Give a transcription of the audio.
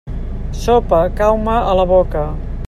Sopa, cau-me a la boca.